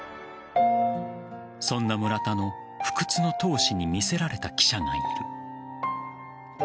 そんな村田の不屈の闘志に魅せられた記者がいる。